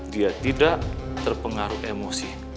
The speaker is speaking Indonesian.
dia tidak terpengaruh emosi